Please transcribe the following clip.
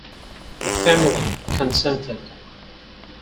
The family consented.